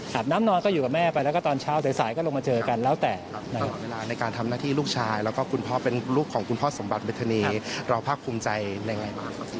ทำหน้าที่ลูกชายและคุณพ่อเป็นลูกของคุณพ่อสมบัติเมธานีเราภาคภูมิใจได้ไง